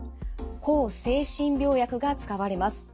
抗精神病薬が使われます。